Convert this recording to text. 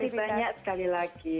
terima kasih banyak sekali lagi